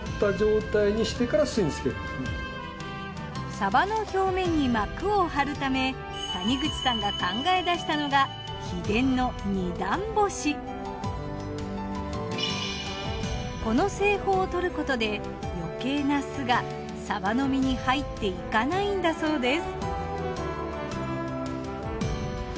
サバの表面に膜を張るため谷口さんが考え出したのがこの製法をとることで余計な酢がサバの身に入っていかないんだそうです。